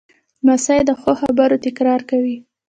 لمسی د ښو خبرو تکرار کوي.